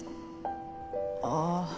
ああ。